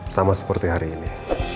sama seperti hari ini